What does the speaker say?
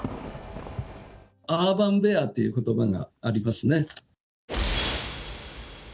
アーバンベアということばがありますね。